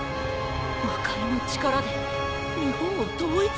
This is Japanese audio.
魔界の力で日本を統一！？